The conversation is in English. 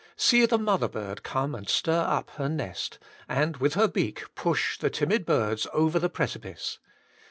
See the mother bird come and stir up her nest, and with her beak push the timid birds over the precipice.